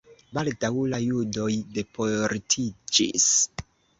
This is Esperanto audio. Baldaŭ la judoj deportiĝis.